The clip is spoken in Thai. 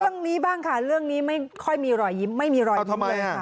เรื่องนี้บ้างค่ะเรื่องนี้ไม่ค่อยมีรอยยิ้มไม่มีรอยยิ้มเลยค่ะ